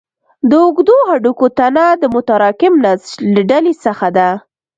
د اوږدو هډوکو تنه د متراکم نسج له ډلې څخه ده.